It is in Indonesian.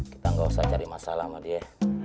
kita nggak usah cari masalah sama dia